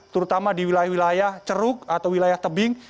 terutama di wilayah wilayah ceruk atau wilayah tebing